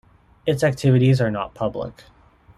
Its activities are not public.